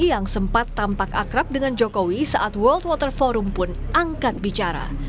yang sempat tampak akrab dengan jokowi saat world water forum pun angkat bicara